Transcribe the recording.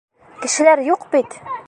Кешеләр юҡ бит!